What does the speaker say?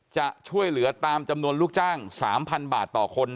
จะช่วยเหลือตามจำนวนลูกจ้าง๓๐๐บาทต่อคน